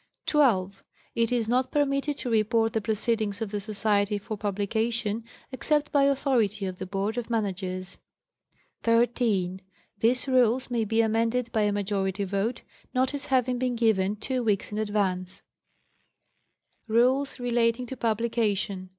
12.—It is not permitted to report the proceedings of the Society for publication, except by authority of the Board of Managers. 13.—These rules may be amended by a majority vote, notice having been given two weeks in advance. Rules Relating to Publication. sul RULES RELATING TO PUBLICATION.